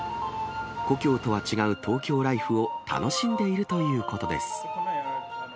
故郷とは違う東京ライフを楽しんでいるということです。